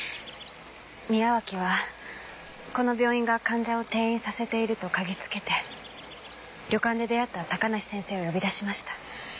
宮脇はこの病院が患者を転院させていると嗅ぎつけて旅館で出会った高梨先生を呼び出しました。